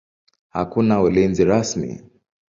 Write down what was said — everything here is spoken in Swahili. Hakuna ulinzi rasmi.